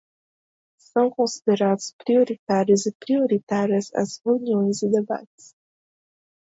São considerados prioritários e prioritárias as reuniões e debates